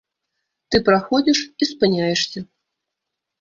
Ты праходзіш і спыняешся.